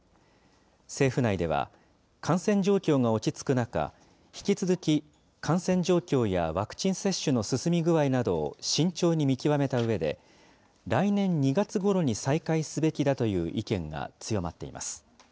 政府内では、感染状況が落ち着く中、引き続き、感染状況やワクチン接種の進み具合などを慎重に見極めたうえで、来年２月ごろに再開すべきだという意見が強まっています。